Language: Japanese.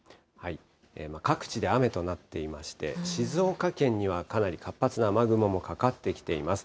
各地で雨となっていまして、静岡県には、かなり活発な雨雲もかかってきています。